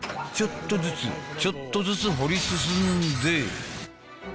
ちょっとずつちょっとずつ掘り進んで。